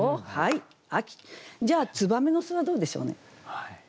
じゃあ「燕の巣」はどうでしょうね？